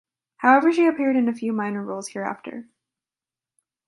However she appeared in few minor roles hereafter.